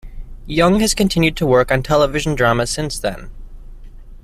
Young has continued to work on television drama since then.